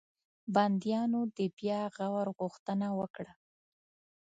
بنديانو د بیا غور غوښتنه وکړه.